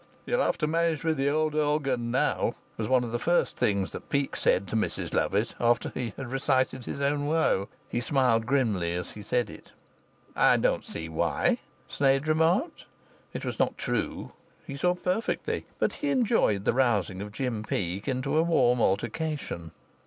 "You'll have to manage with the old organ now," was one of the first things that Peake said to Mrs Lovatt, after he had recited his own woe. He smiled grimly as he said it. "I don't see why," Sneyd remarked. It was not true; he saw perfectly; but he enjoyed the rousing of Jim Peake into a warm altercation.